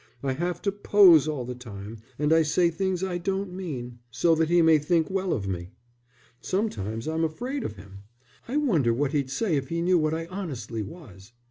I have to pose all the time, and I say things I don't mean so that he may think well of me. Sometimes I'm afraid of him; I wonder what he'd say if he knew what I honestly was.